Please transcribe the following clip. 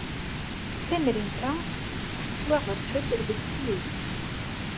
Tamrint-a tettwaɣref-d deg Sswis.